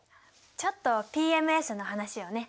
ちょっとＰＭＳの話をね。